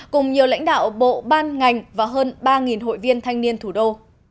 cùng nhiều lãnh đạo bộ ban ngành và hơn ba hội viên thanh niên thủ đô